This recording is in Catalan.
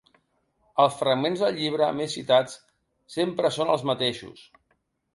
Els fragments del llibre més citats sempre són els mateixos.